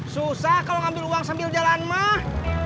susah kalau ngambil uang sambil jalan mah